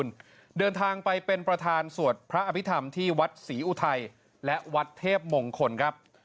รองนายกอนุทิญชาณวิรกูลเดินทางไปเป็นประธานสวดพระอภิษฐรรมที่วัดศรีอุทัยและวัดเทพมงคลครับ